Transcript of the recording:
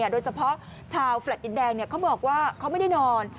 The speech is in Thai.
โดยเฉพาะชาวแฟลต์ดินแดงเขาบอกว่าเขาไม่ได้นอน